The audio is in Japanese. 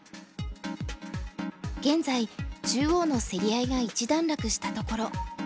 現在中央の競り合いが一段落したところ。